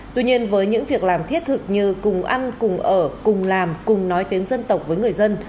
tuy nhiên với những việc làm thiết thực như cùng ăn cùng ở cùng làm cùng nói tiếng dân tộc với người dân